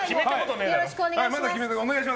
よろしくお願いします。